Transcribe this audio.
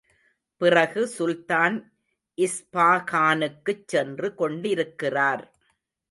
பிறகு சுல்தான் இஸ்பாகானுக்குச் சென்று கொண்டிருக்கிறார்.